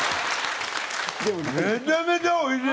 めちゃめちゃおいしい！